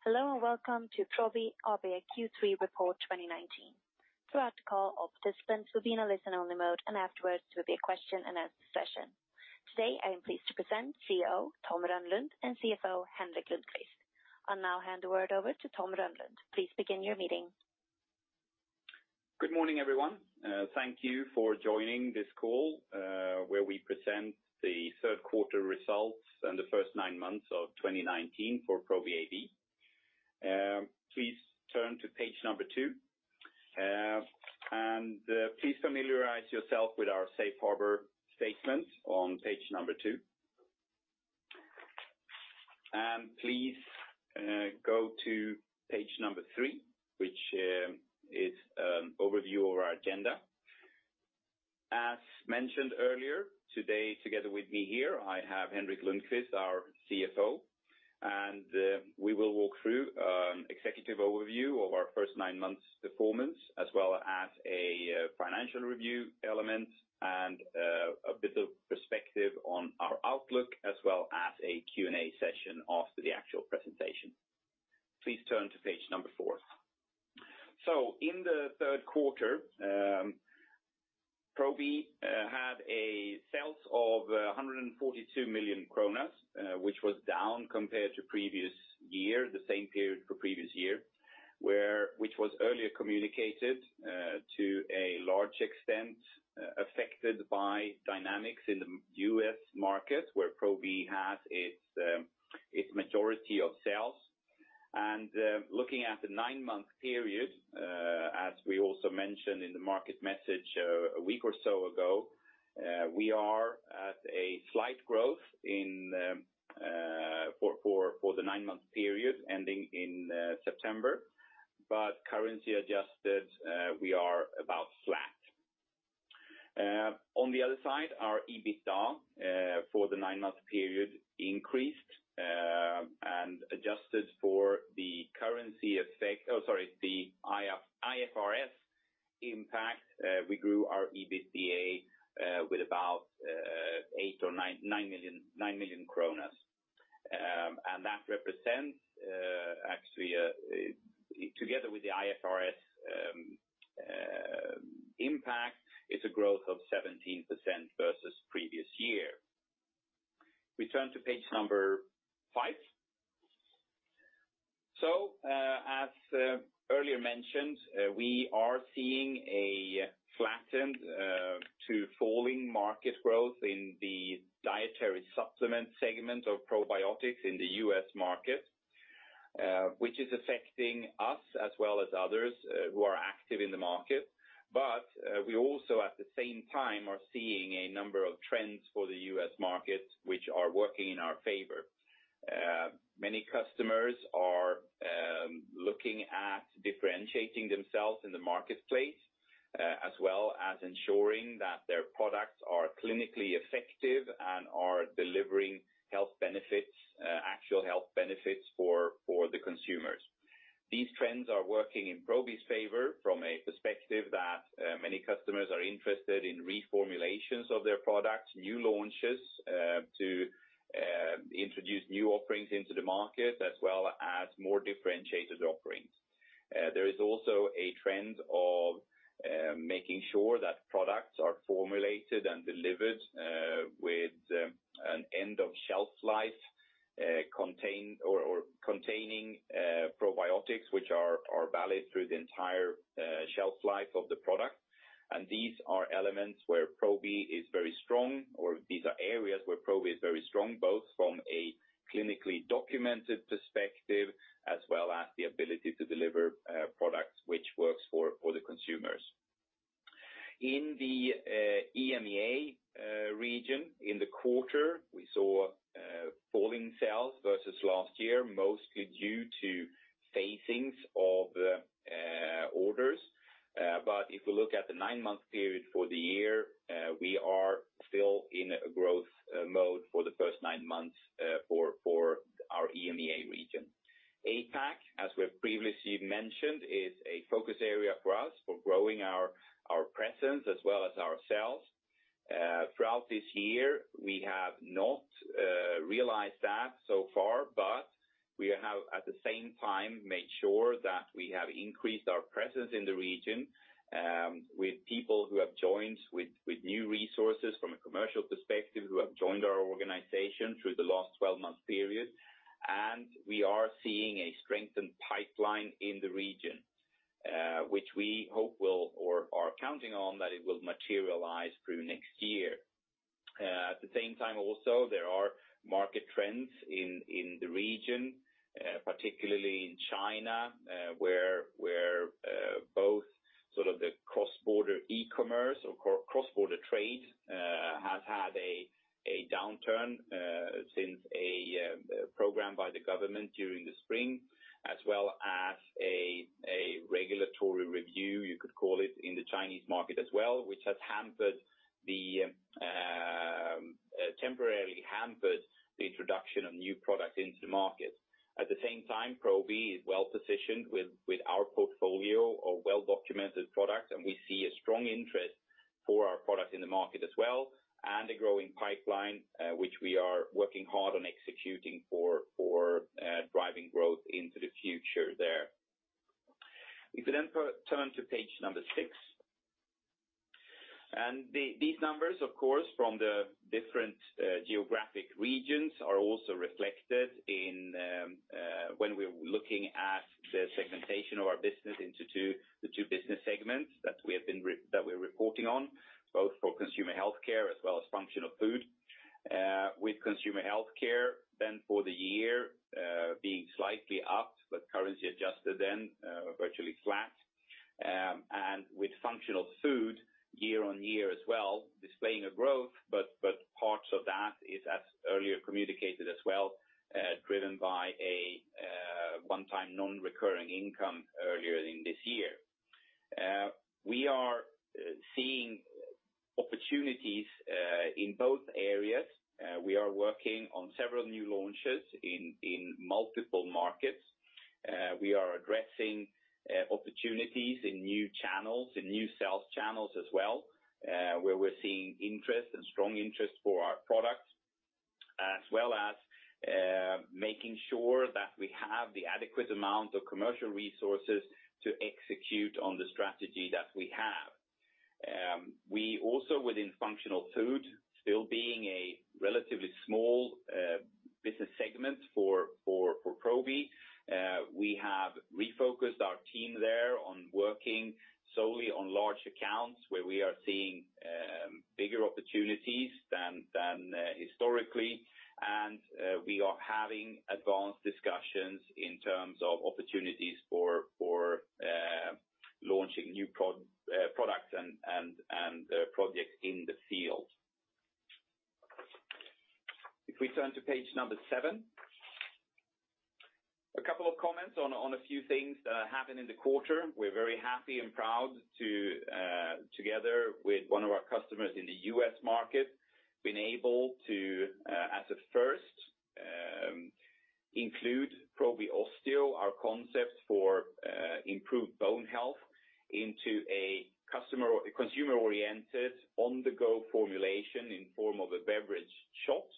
Hello and welcome to Probi AB Q3 Report 2019. Throughout the call, all participants will be in a listen-only mode, and afterwards there will be a question and answer session. Today, I am pleased to present CEO Tom Rönnlund and CFO Henrik Lundkvist. I'll now hand the word over to Tom Rönnlund. Please begin your meeting. Good morning, everyone. Thank you for joining this call, where we present the third quarter results and the first nine months of 2019 for Probi AB. Please turn to page number two. Please familiarize yourself with our safe harbor statement on page number two. Please go to page number three, which is an overview of our agenda. As mentioned earlier, today together with me here, I have Henrik Lundkvist, our CFO. We will walk through an executive overview of our first nine months performance as well as a financial review element and a bit of perspective on our outlook as well as a Q&A session after the actual presentation. Please turn to page number four. In the third quarter, Probi had a sales of 142 million kronor, which was down compared to the same period for previous year. Which was earlier communicated to a large extent, affected by dynamics in the U.S. market, where Probi has its majority of sales. Looking at the nine-month period, as we also mentioned in the market message a week or so ago, we are at a slight growth for the nine-month period ending in September. Currency adjusted, we are about flat. On the other side, our EBITDA for the nine-month period increased, and adjusted for the IFRS impact, we grew our EBITDA with about 8 million or 9 million kronor. That represents actually, together with the IFRS impact, it's a growth of 17% versus previous year. We turn to page five. As earlier mentioned, we are seeing a flattened to falling market growth in the dietary supplement segment of probiotics in the U.S. market, which is affecting us as well as others who are active in the market. We also, at the same time, are seeing a number of trends for the U.S. market, which are working in our favor. Many customers are looking at differentiating themselves in the marketplace, as well as ensuring that their products are clinically effective and are delivering actual health benefits for the consumers. These trends are working in Probi's favor from a perspective that many customers are interested in reformulations of their products, new launches to introduce new offerings into the market, as well as more differentiated offerings. There is also a trend of making sure that products are formulated and delivered with an end of shelf life or containing probiotics, which are valid through the entire shelf life of the product. These are elements where Probi is very strong, or these are areas where Probi is very strong, both from a clinically documented perspective, as well as the ability to deliver products which works for the consumers. In the EMEA region, in the quarter, we saw falling sales versus last year, mostly due to phasing of orders. If we look at the nine-month period for the year, we are still in a growth mode for the first nine months for our EMEA region. APAC, as we've previously mentioned, is a focus area for us for growing our presence as well as our sales. Throughout this year, we have not realized that so far, but we have at the same time made sure that we have increased our presence in the region with people who have joined with new resources from a commercial perspective, who have joined our organization through the last 12-month period. We are seeing a strengthened pipeline in the region, which we hope will or are counting on that it will materialize through next year. At the same time also, there are market trends in the region, particularly in China, where both sort of the cross-border e-commerce or cross-border trade has had a downturn since a program by the government during the spring, as well as a regulatory review, you could call it, in the Chinese market as well, which has temporarily hampered the introduction of new product into the market. At the same time, Probi is well-positioned with our portfolio of well-documented products, and we see a strong interest for our product in the market as well, and a growing pipeline, which we are working hard on executing for driving growth into the future there. Then we turn to page number six. These numbers, of course, from the different geographic regions, are also reflected when we're looking at the segmentation of our business into the two business segments that we're reporting on, both for consumer healthcare as well as functional food. With consumer healthcare then for the year being slightly up, but currency adjusted then virtually flat. With functional food year-on-year as well, displaying a growth, but parts of that is as earlier communicated as well, driven by a one-time non-recurring income earlier in this year. We are seeing opportunities in both areas. We are working on several new launches in multiple markets. We are addressing opportunities in new channels, in new sales channels as well, where we're seeing interest and strong interest for our products. As well as making sure that we have the adequate amount of commercial resources to execute on the strategy that we have. We also, within functional food, still being a relatively small business segment for Probi, we have refocused our team there on working solely on large accounts where we are seeing bigger opportunities than historically, and we are having advanced discussions in terms of opportunities for launching new products and projects in the field. If we turn to page number seven. A couple of comments on a few things that happened in the quarter. We're very happy and proud to, together with one of our customers in the U.S. market, been able to, as a first, include Probi Osteo, our concept for improved bone health, into a consumer-oriented, on-the-go formulation in form of a beverage shot,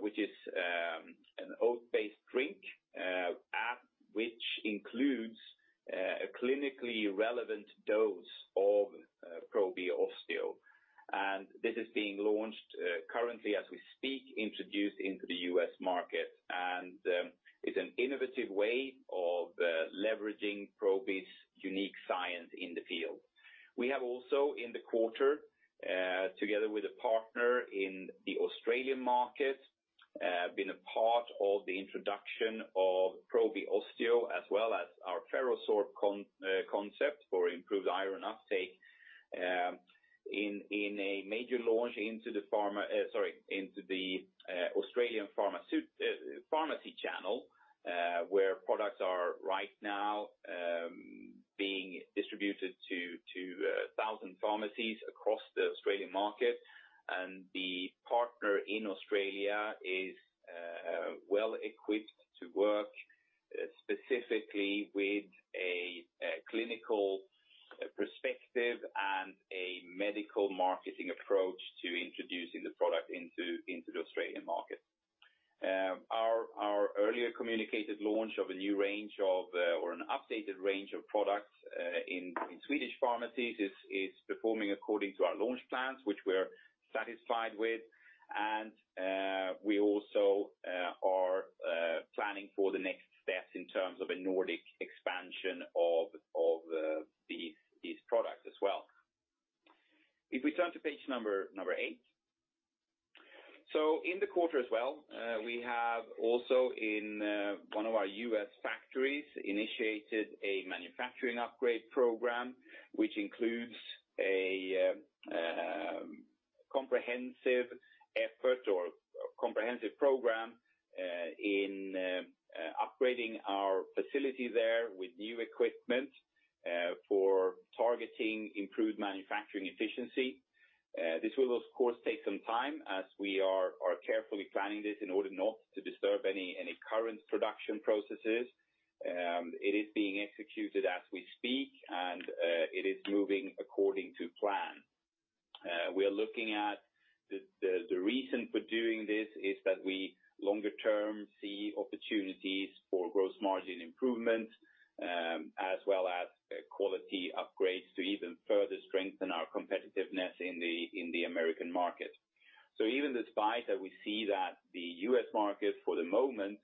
which is an oat-based drink app which includes a clinically relevant dose We turn to page number eight. In the quarter as well, we have also in one of our U.S. factories, initiated a manufacturing upgrade program, which includes a comprehensive effort or comprehensive program in upgrading our facility there with new equipment, for targeting improved manufacturing efficiency. This will of course take some time as we are carefully planning this in order not to disturb any current production processes. It is being executed as we speak, and it is moving according to plan. The reason for doing this is that we longer term see opportunities for gross margin improvement, as well as quality upgrades to even further strengthen our competitiveness in the American market. Even despite that we see that the U.S. market for the moment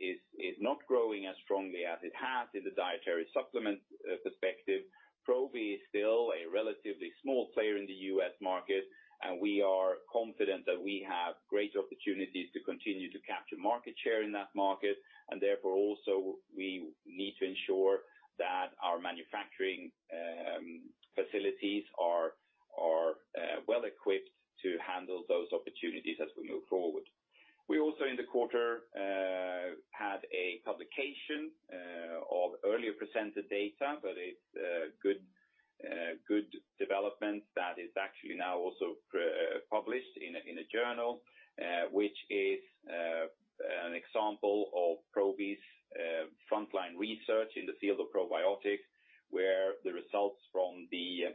is not growing as strongly as it has in the dietary supplement perspective, Probi is still a relatively small player in the U.S. market, and we are confident that we have great opportunities to continue to capture market share in that market. Therefore, also, we need to ensure that our manufacturing facilities are well equipped to handle those opportunities as we move forward. We also in the quarter had a publication of earlier presented data. It's a good development that is actually now also published in a journal, which is Example of Probi's frontline research in the field of probiotics, where the results from the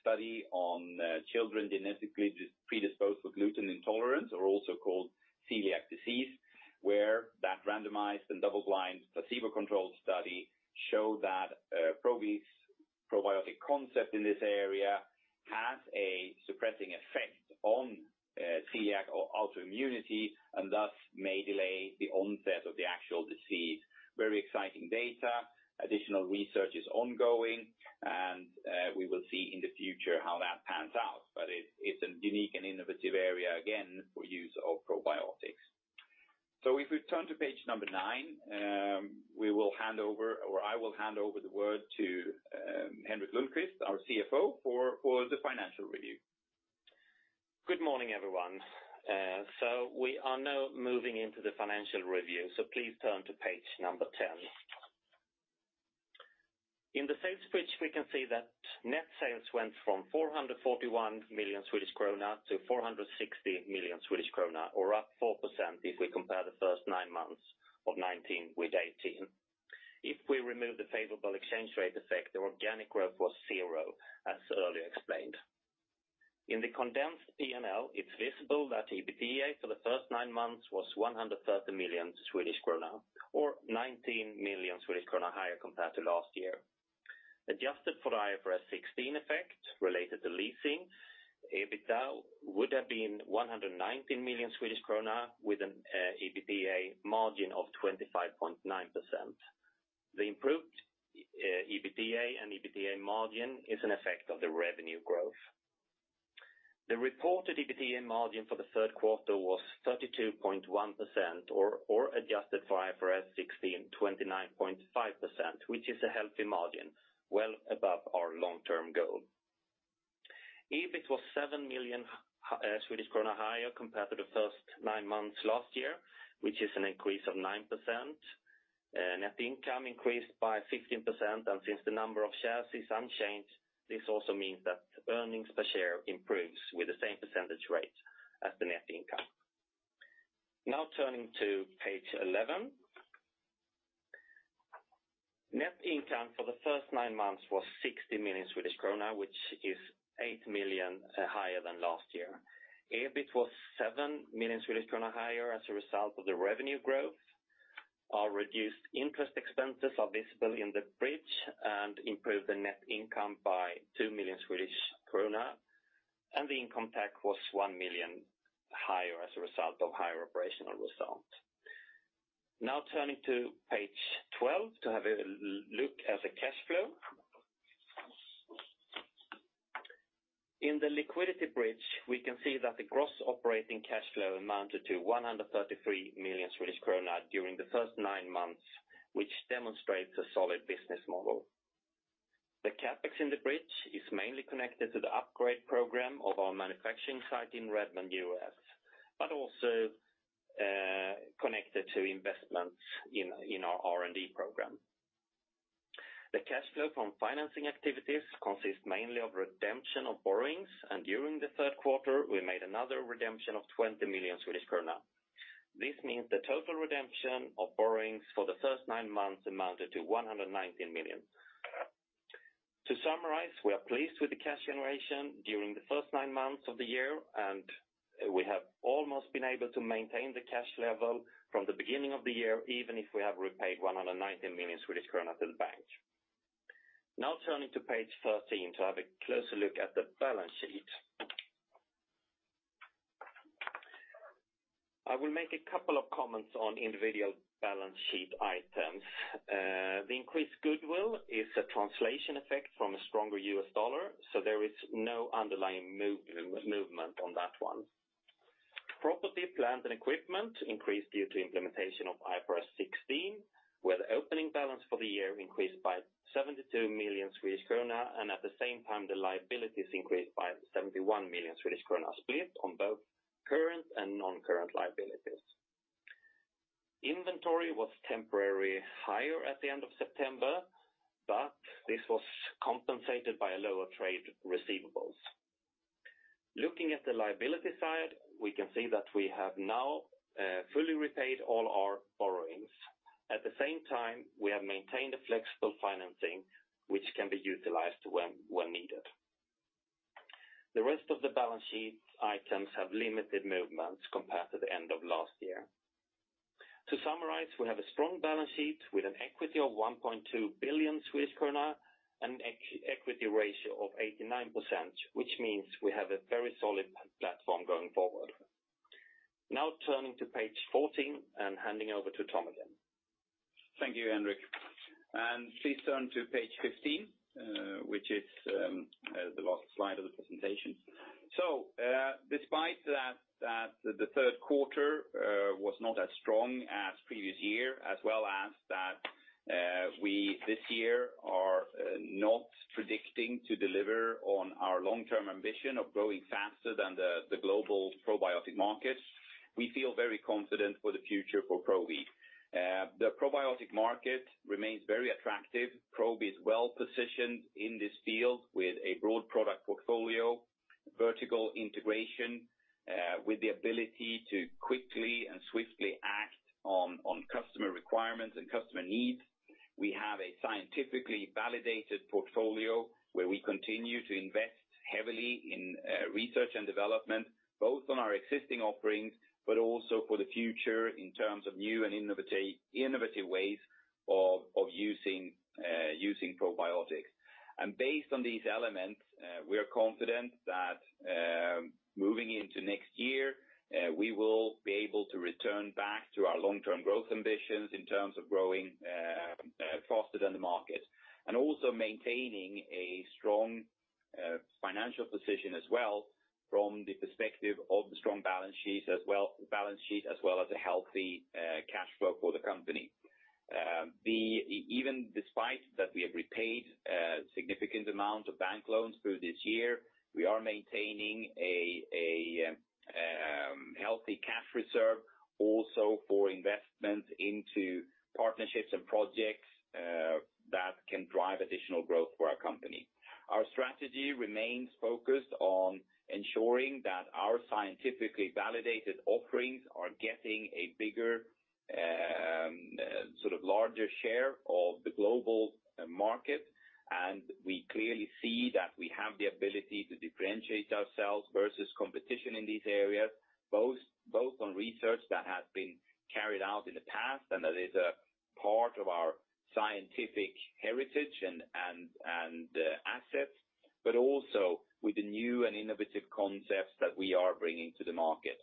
study on children genetically Adjusted for the IFRS 16 effect related to leasing, EBITDA would have been 119 million Swedish krona with an EBITA margin of 25.9%. The improved EBITA and EBITA margin is an effect of the revenue growth. The reported EBITA margin for the third quarter was 32.1%, or adjusted for IFRS 16, 29.5%, which is a healthy margin, well above our long-term goal. EBIT was 7 million Swedish krona higher compared to the first nine months last year, which is an increase of 9%.Net income increase by 16% on this number of shares is unchanged, this also means that earnings per share improves with the same percentage rate as the net income. Now turning to page 11. Net income for the first nine months was 60 million Swedish krona, which is 8 million higher than last year. EBIT was 7 million Swedish krona higher as a result of the revenue growth. Our reduced interest expenses are visible in the bridge and improved the net income by 2 million Swedish krona, the income tax was 1 million higher as a result of higher operational results. Turning to page 12 to have a look at the cash flow. In the liquidity bridge, we can see that the gross operating cash flow amounted to 133 million Swedish krona during the first nine months, which demonstrates a solid business model. The CapEx in the bridge is mainly connected to the upgrade program of our manufacturing site in Redmond, U.S., but also connected to investments in our R&D program. The cash flow from financing activities consists mainly of redemption of borrowings. During the third quarter, we made another redemption of 20 million Swedish krona. This means the total redemption of borrowings for the first nine months amounted to 119 million. To summarize, we are pleased with the cash generation during the first nine months of the year, and we have almost been able to maintain the cash level from the beginning of the year, even if we have repaid 119 million Swedish kronor to the bank. Now turning to page 13 to have a closer look at the balance sheet. I will make a couple of comments on individual balance sheet items. The increased goodwill is a translation effect from a stronger US dollar, so there is no underlying movement on that one. Property, plant, and equipment increased due to implementation of IFRS 16, where the opening balance for the year increased by 72 million Swedish krona, and at the same time, the liabilities increased by 71 million Swedish krona, split on both current and non-current liabilities. Inventory was temporarily higher at the end of September. This was compensated by lower trade receivables. Looking at the liability side, we can see that we have now fully repaid all our borrowings. At the same time, we have maintained a flexible financing, which can be utilized when needed. The rest of the balance sheet items have limited movements compared to the end of last year. To summarize, we have a strong balance sheet with an equity of 1.2 billion Swedish krona and an equity ratio of 89%, which means we have a very solid platform going forward. Now turning to page 14 and handing over to Tom again. Thank you, Henrik. Please turn to page 15, which is the last slide of the presentation. Despite that the third quarter was not as strong as previous year, as well as that we this year are not predicting to deliver on our long-term ambition of growing faster than the global probiotic market, we feel very confident for the future for Probi. The probiotic market remains very attractive. Probi is well-positioned in this field with a broad product portfolio. Vertical integration with the ability to quickly and swiftly act on customer requirements and customer needs. We have a scientifically validated portfolio where we continue to invest heavily in research and development, both on our existing offerings, but also for the future in terms of new and innovative ways of using probiotics. Based on these elements, we are confident that moving into next year, we will be able to return back to our long-term growth ambitions in terms of growing faster than the market. Also maintaining a strong financial position as well from the perspective of the strong balance sheet, as well as a healthy cash flow for the company. Even despite that we have repaid a significant amount of bank loans through this year, we are maintaining a healthy cash reserve also for investment into partnerships and projects that can drive additional growth for our company. Our strategy remains focused on ensuring that our scientifically validated offerings are getting a bigger, larger share of the global market. We clearly see that we have the ability to differentiate ourselves versus competition in these areas, both on research that has been carried out in the past and that is a part of our scientific heritage and assets, but also with the new and innovative concepts that we are bringing to the market.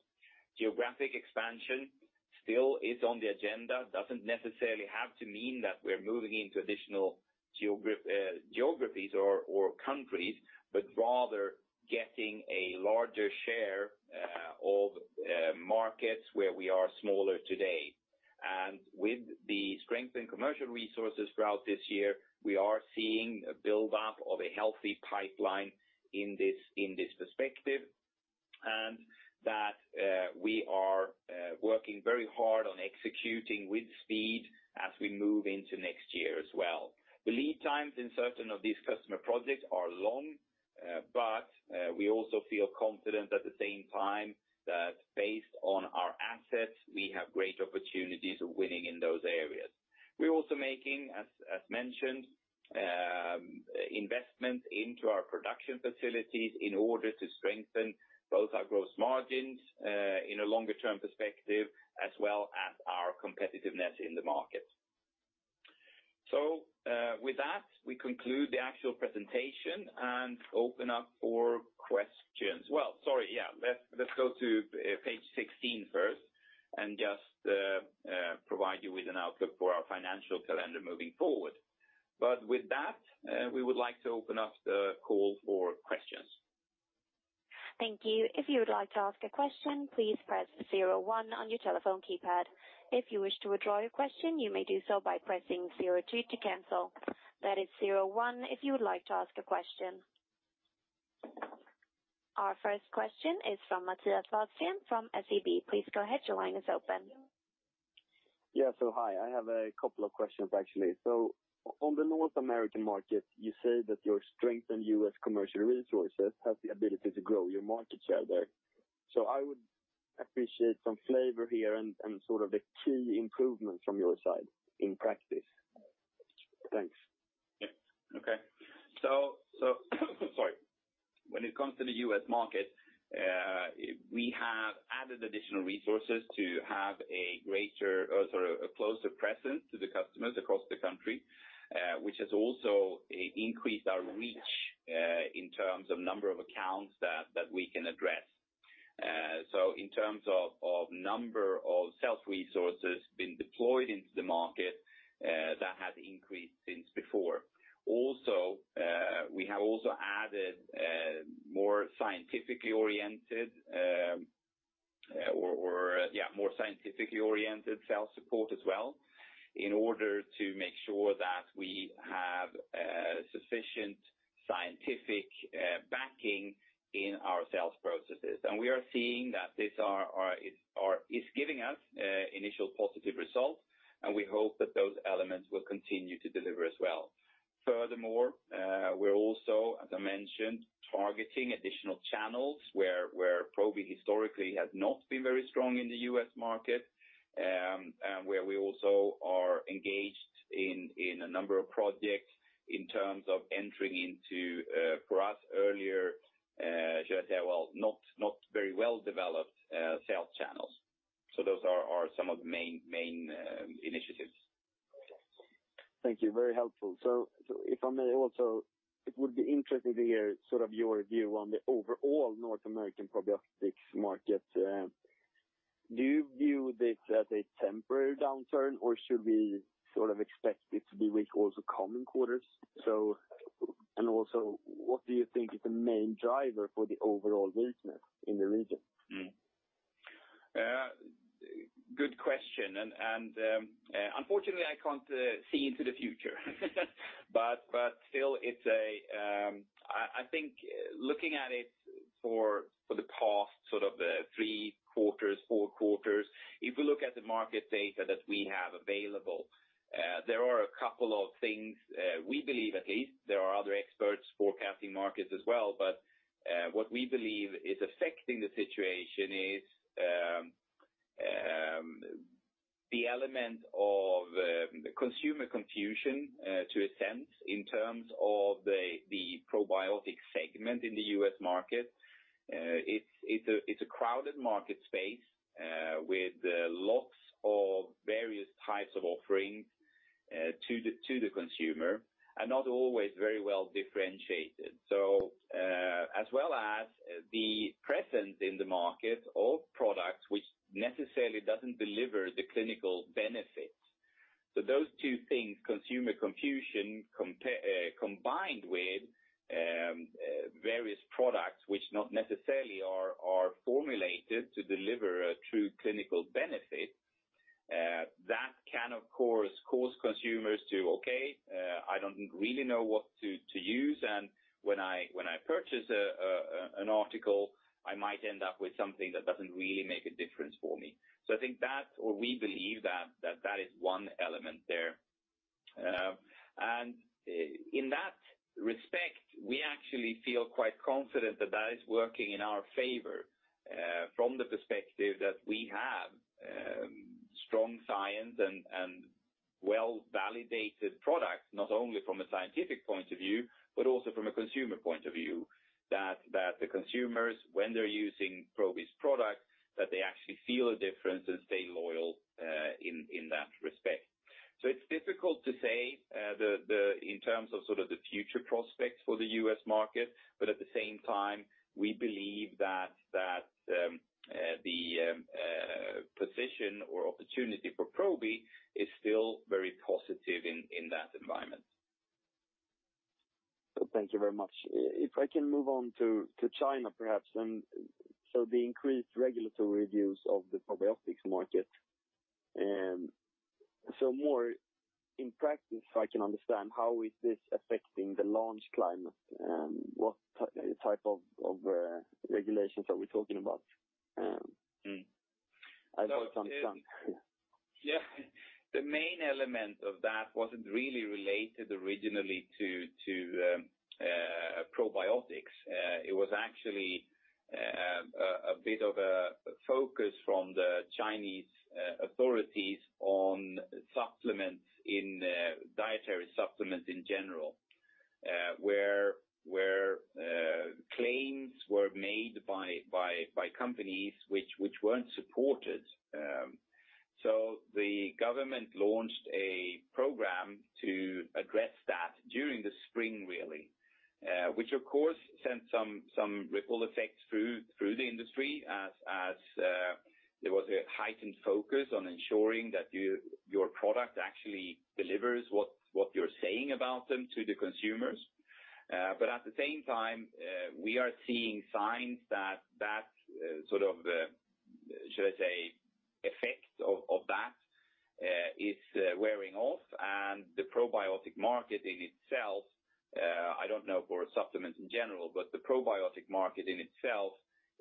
Geographic expansion still is on the agenda. Doesn't necessarily have to mean that we're moving into additional geographies or countries, but rather getting a larger share of markets where we are smaller today. With the strength in commercial resources throughout this year, we are seeing a buildup of a healthy pipeline in this perspective, and that we are working very hard on executing with speed as we move into next year as well. The lead times in certain of these customer projects are long, we also feel confident at the same time that based on our assets, we have great opportunities of winning in those areas. We're also making, as mentioned, investments into our production facilities in order to strengthen both our gross margins, in a longer-term perspective, as well as our competitiveness in the market. With that, we conclude the actual presentation and open up for questions. Well, sorry. Yeah. Let's go to page 16 first and just provide you with an outlook for our financial calendar moving forward. With that, we would like to open up the call for questions. Thank you. If you would like to ask a question, please press 01 on your telephone keypad. If you wish to withdraw your question, you may do so by pressing 02 to cancel. That is 01 if you would like to ask a question. Our first question is from Mattias Vadsten from SEB. Please go ahead. Your line is open. Hi. I have a couple of questions, actually. On the North American market, you say that your strength in U.S. commercial resources has the ability to grow your market share there. I would appreciate some flavor here and the key improvements from your side in practice. Thanks. Okay. Sorry. When it comes to the U.S. market, we have added additional resources to have a greater, closer presence to the customers across the country, which has also increased our reach, in terms of number of accounts that we can address. In terms of number of sales resources being deployed into the market, that has increased since before. Also, we have also added more scientifically oriented sales support as well in order to make sure that we have sufficient scientific backing in our sales processes. We are seeing that this is giving us initial positive results, and we hope that those elements will continue to deliver as well. Furthermore, we're also, as I mentioned, targeting additional channels where Probi historically has not been very strong in the U.S. market, and where we also are engaged in a number of projects in terms of entering into, for us earlier, should I say, well, not very well-developed sales channels. Those are some of the main initiatives. Thank you. Very helpful. If I may also, it would be interesting to hear your view on the overall North American probiotics market. Do you view this as a temporary downturn, or should we expect it to be weak also coming quarters? What do you think is the main driver for the overall weakness in the region? Good question. Unfortunately, I can't see into the future. Still, I think looking at it for the past three quarters, four quarters. If we look at the market data that we have available, there are a couple of things we believe at least, there are other experts forecasting markets as well, but what we believe is affecting the situation is the element of consumer confusion to a sense, in terms of the probiotic segment in the U.S. market. It's a crowded market space with lots of various types of offerings to the consumer, not always very well differentiated. As well as the presence in the market of products which necessarily doesn't deliver the clinical benefits. Those two things, consumer confusion, combined with various products which not necessarily are formulated to deliver a true clinical benefit, that can, of course, cause consumers to, okay, I don't really know what to use, and when I purchase an article, I might end up with something that doesn't really make a difference for me. I think that, or we believe that is one element there. In that respect, we actually feel quite confident that is working in our favor, from the perspective that we have strong science and well-validated products, not only from a scientific point of view, but also from a consumer point of view, that the consumers, when they're using Probi's product, that they actually feel a difference and stay loyal in that respect. It's difficult to say in terms of the future prospects for the U.S. market, but at the same time, we believe that the position or opportunity for Probi is still very positive in that environment. Thank you very much. If I can move on to China, perhaps. The increased regulatory reviews of the probiotics market. More in practice, so I can understand, how is this affecting the launch climate, and what type of regulations are we talking about? So it- I hope it's understandable. Yeah. The main element of that wasn't really related originally to probiotics. It was actually a bit of a focus from the Chinese authorities on dietary supplements in general, where claims were made by companies which weren't supported. The government launched a program to address that during the spring, really, which of course sent some ripple effects through the industry as there was a heightened focus on ensuring that your product actually delivers what you're saying about them to the consumers. At the same time, we are seeing signs that, should I say, effect of that is wearing off, and the probiotic market in itself, I don't know for supplements in general, but the probiotic market in itself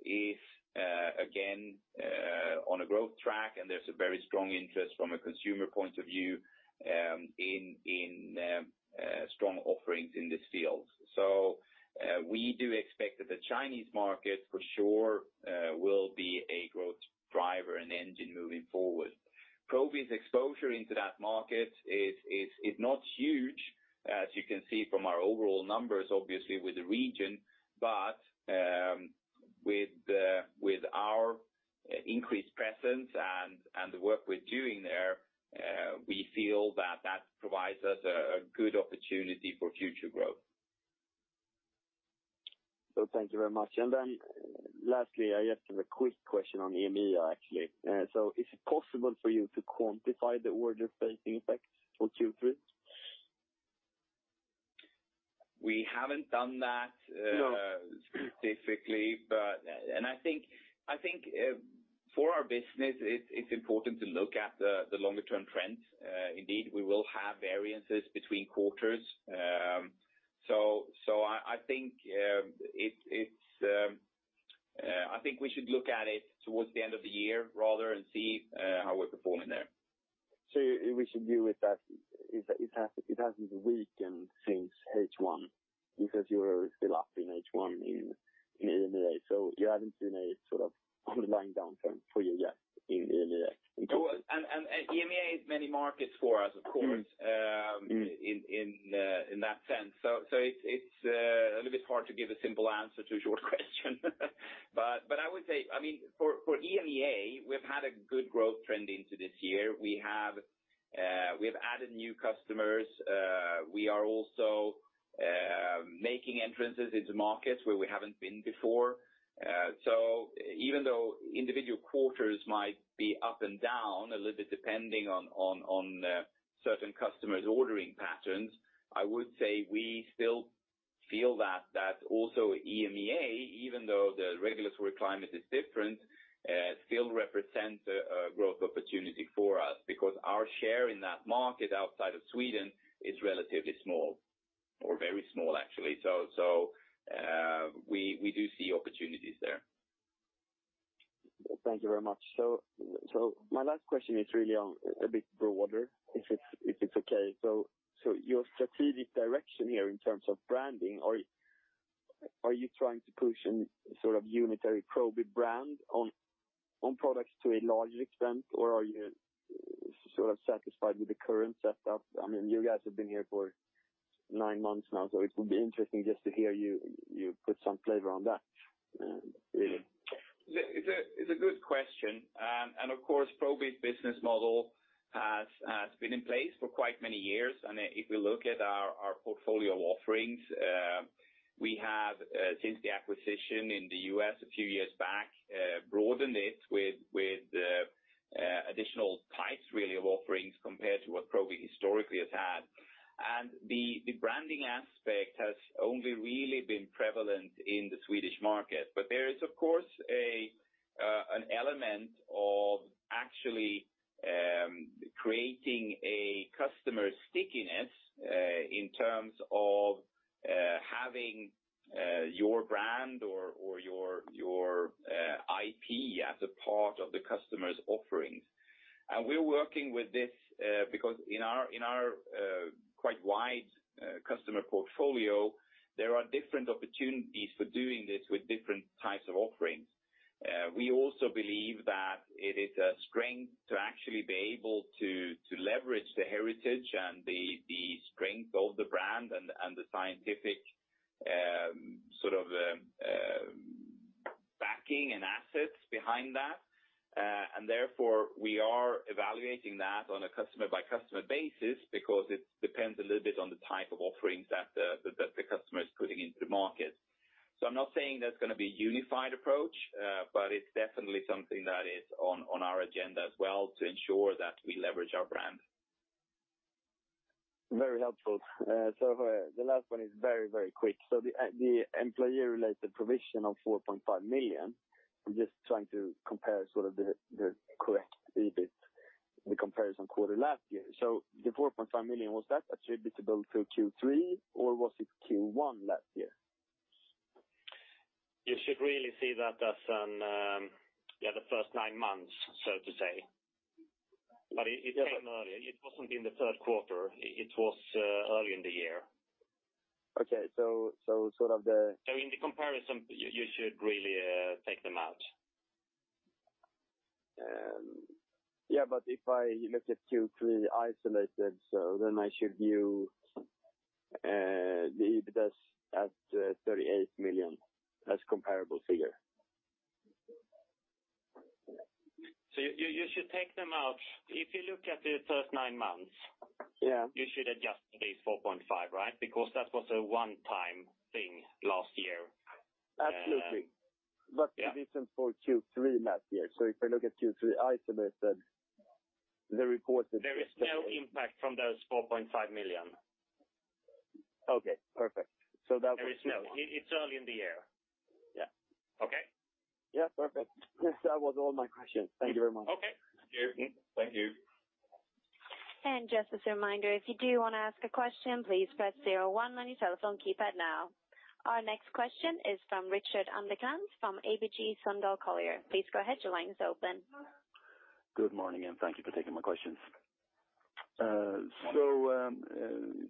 is again on a growth track, and there's a very strong interest from a consumer point of view in strong offerings in this field. We do expect that the Chinese market for sure will be a growth driver and engine moving forward. Probi's exposure into that market is not huge, as you can see from our overall numbers, obviously with the region, but with our increased presence and the work we're doing there, we feel that that provides us a good opportunity for future growth. Thank you very much. Lastly, I just have a quick question on EMEA actually. Is it possible for you to quantify the order facing effects for Q3? We haven't done that. No Specifically, I think for our business, it's important to look at the longer-term trends. Indeed, we will have variances between quarters. I think we should look at it towards the end of the year rather and see how we're performing there. We should view it that it hasn't weakened since H1 because you were still up in H1 in EMEA. You haven't seen a sort of underlying downturn for you yet in EMEA. EMEA is many markets for us, of course. in that sense. It's a little bit hard to give a simple answer to a short question. I would say, for EMEA, we've had a good growth trend into this year. We have added new customers. We are also making entrances into markets where we haven't been before. Even though individual quarters might be up and down a little bit depending on certain customers' ordering patterns, I would say we still feel that also EMEA, even though the regulatory climate is different, still represents a growth opportunity for us because our share in that market outside of Sweden is relatively small, or very small actually. We do see opportunities there. Thank you very much. My last question is really on a bit broader, if it's okay. Your strategic direction here in terms of branding, are you trying to push a sort of unitary Probi brand on products to a larger extent, or are you sort of satisfied with the current setup? You guys have been here for nine months now, so it would be interesting just to hear you put some flavor on that, really. It's a good question. Of course, Probi's business model has been in place for quite many years, and if we look at our portfolio offerings, we have, since the acquisition in the U.S. a few years back, broadened it with additional types, really, of offerings compared to what Probi historically has had. The branding aspect has only really been prevalent in the Swedish market. There is, of course, an element of actually creating a customer stickiness, in terms of having your brand or your IP as a part of the customer's offerings. We're working with this, because in our quite wide customer portfolio, there are different opportunities for doing this with different types of offerings. We also believe that it is a strength to actually be able to leverage the heritage and the strength of the brand and the scientific backing and assets behind that. Therefore, we are evaluating that on a customer-by-customer basis because it depends a little bit on the type of offerings that the customer is putting into the market. I'm not saying that's going to be a unified approach, but it's definitely something that is on our agenda as well to ensure that we leverage our brand. Very helpful. The last one is very quick. The employee-related provision of SEK 4.5 million, I'm just trying to compare the correct EBIT, the comparison quarter last year. The 4.5 million, was that attributable to Q3 or was it Q1 last year? You should really see that as the first nine months, so to say. It came early. It wasn't in the third quarter. It was early in the year. Okay. sort of In the comparison, you should really take them out. If I look at Q3 isolated, so then I should view the EBITA at 38 million as comparable figure. You should take them out. If you look at the first nine months. Yeah You should adjust this 4.5, right? Because that was a one-time thing last year. Absolutely. Yeah. The reason for Q3 last year. If I look at Q3 isolated, There is no impact from those 4.5 million. Okay. Perfect. There is no. It's early in the year. Yeah. Okay. Yeah. Perfect. That was all my questions. Thank you very much. Okay. Thank you. Just as a reminder, if you do want to ask a question, please press zero on your telephone keypad now. Our next question is from Rickard Anderkrans from ABG Sundal Collier. Please go ahead. Your line is open. Good morning, and thank you for taking my questions. Morning.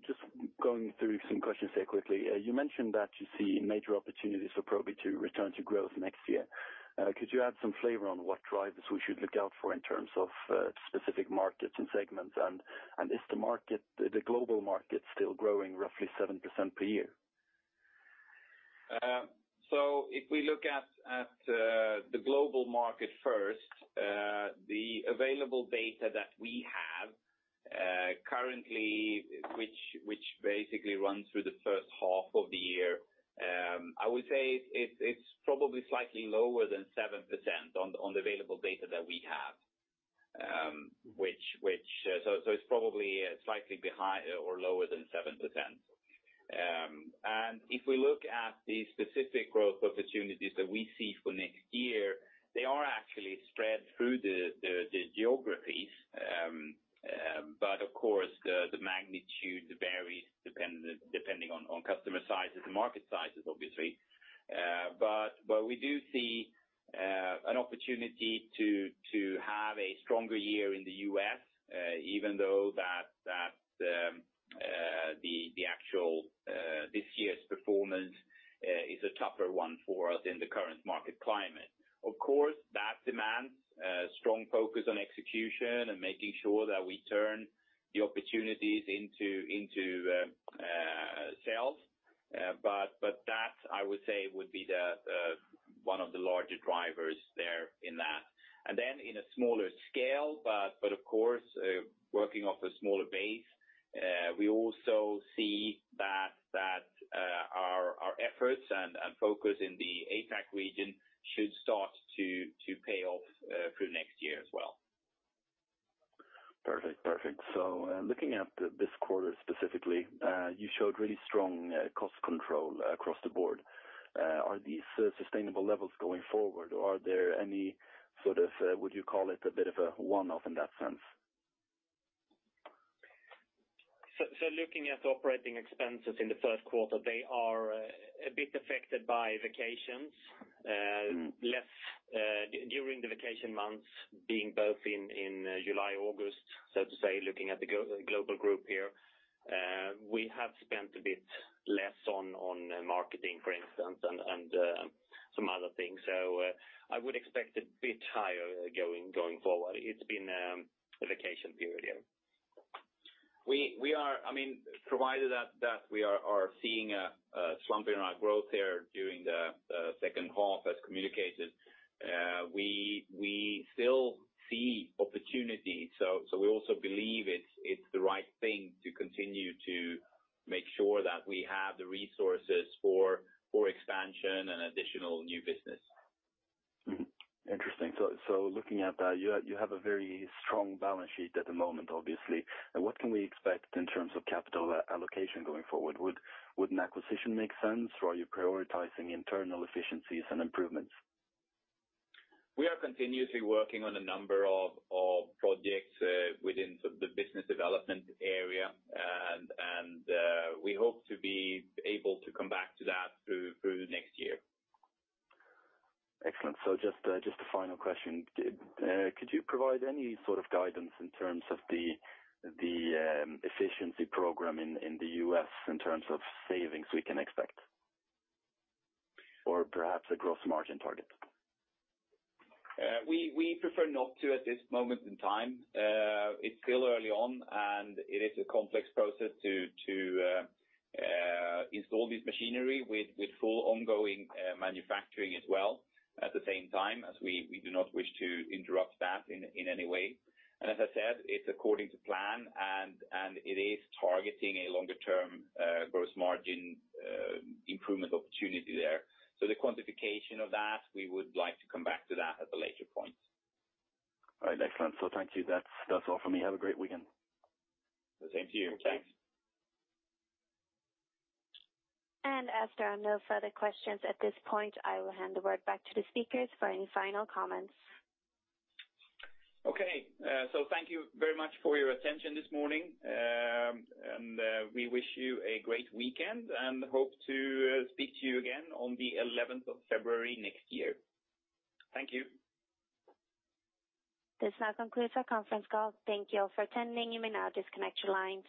Just going through some questions here quickly. You mentioned that you see major opportunities for Probi to return to growth next year. Could you add some flavor on what drivers we should look out for in terms of specific markets and segments? Is the global market still growing roughly 7% per year? If we look at the global market first, the available data that we have currently, which basically runs through the first half of the year, I would say it's probably slightly lower than 7% on the available data that we have. It's probably slightly lower than 7%. If we look at the specific growth opportunities that we see for next year, they are actually spread through the geographies. Of course, the magnitude varies depending on customer sizes and market sizes, obviously. We do see an opportunity to have a stronger year in the U.S., even though this year's performance is a tougher one for us in the current market climate. Of course, that demands a strong focus on execution and making sure that we turn the opportunities into sales. That, I would say, would be one of the larger drivers there in that. In a smaller scale, but of course, working off a smaller base, we also see that our efforts and focus in the APAC region should start to pay off through next year as well. Perfect. Looking at this quarter specifically, you showed really strong cost control across the board. Are these sustainable levels going forward, or are there any sort of, would you call it a bit of a one-off in that sense? Looking at operating expenses in the first quarter, they are a bit affected by vacations. During the vacation months, being both in July, August, so to say, looking at the global group here. We have spent a bit less on marketing, for instance, and some other things. I would expect a bit higher going forward. It's been a vacation period, yeah. Provided that we are seeing a slump in our growth there during the second half as communicated, we still see opportunity. We also believe it's the right thing to continue to make sure that we have the resources for expansion and additional new business. Interesting. Looking at that, you have a very strong balance sheet at the moment, obviously. What can we expect in terms of capital allocation going forward? Would an acquisition make sense, or are you prioritizing internal efficiencies and improvements? We are continuously working on a number of projects within the business development area. We hope to be able to come back to that through next year. Excellent. Just a final question. Could you provide any sort of guidance in terms of the efficiency program in the U.S. in terms of savings we can expect? Or perhaps a gross margin target? We prefer not to at this moment in time. It's still early on, and it is a complex process to install this machinery with full ongoing manufacturing as well, at the same time, as we do not wish to interrupt that in any way. As I said, it's according to plan, and it is targeting a longer-term gross margin improvement opportunity there. The quantification of that, we would like to come back to that at a later point. All right. Excellent. Thank you. That's all from me. Have a great weekend. The same to you. Thanks. As there are no further questions at this point, I will hand the word back to the speakers for any final comments. Okay. Thank you very much for your attention this morning. We wish you a great weekend and hope to speak to you again on the 11th of February next year. Thank you. This now concludes our conference call. Thank you all for attending. You may now disconnect your lines.